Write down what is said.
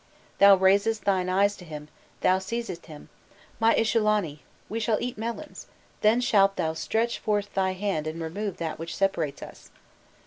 Thou raisedst thine eyes to him, thou seizedst him: 'My Ishullanu, we shall eat melons, then shalt thou stretch forth thy hand and remove that which separates us.